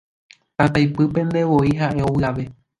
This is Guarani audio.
Tataypypentevoi ha'e ovy'ave.